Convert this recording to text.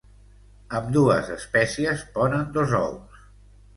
Ambdues espècies ponen dos ous.